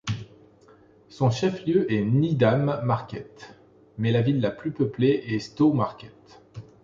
Son chef-lieu est Needham Market, mais la ville la plus peuplée est Stowmarket.